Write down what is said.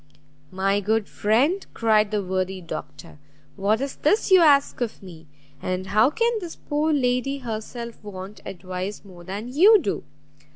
"My good friend," cried the worthy Doctor, "what is this you ask of me? and how can this poor young lady herself want advice more than you do?